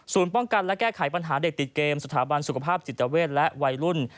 ป้องกันและแก้ไขปัญหาเด็กติดเกมสถาบันสุขภาพจิตเวทและวัยรุ่น